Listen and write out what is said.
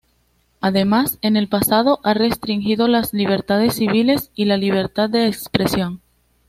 Además, en el pasado ha restringido las libertades civiles y la libertad de expresión.